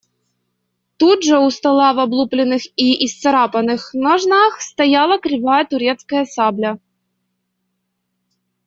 Тут же у стола в облупленных и исцарапанных ножнах стояла кривая турецкая сабля.